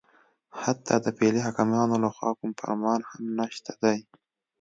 حتی د فعلي حاکمانو لخوا کوم فرمان هم نشته دی